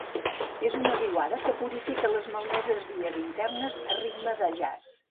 És una riuada que purifica les malmeses vies internes a ritme de jazz.